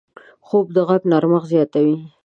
خوب د غږ نرمښت زیاتوي